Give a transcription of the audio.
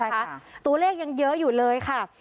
ใช่ค่ะตู้เลขยังเยอะอยู่เลยค่ะ